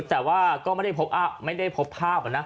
แต่ว่าก็ไม่ได้พบภาพนะ